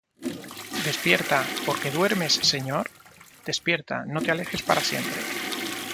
Despierta; ¿por qué duermes, Señor? Despierta, no te alejes para siempre.